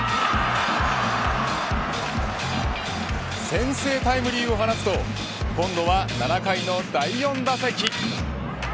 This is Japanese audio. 先制タイムリーを放つと今度は７回の第４打席。